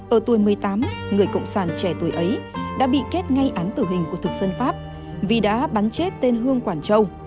ở tuổi một mươi tám người cộng sản trẻ tuổi ấy đã bị kết ngay án tử hình của thực dân pháp vì đã bắn chết tên hương quảng châu